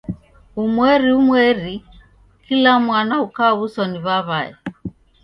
Umweri umweri kula mwana ukaw'uswa ni w'aw'ae.